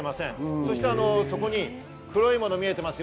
そして黒いものが見えています。